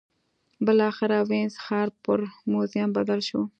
بالاخره وینز ښار پر موزیم بدل شو.